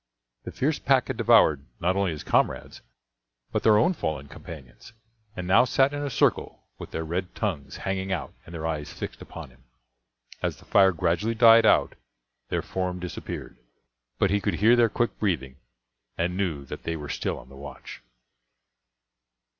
The fierce pack had devoured not only his comrades, but their own fallen companions, and now sat in a circle with their red tongues hanging out and their eyes fixed upon him. As the fire gradually died out their form disappeared; but he could hear their quick breathing, and knew that they were still on the watch.